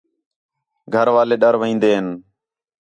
گھر والے ݙر وین٘دے ہین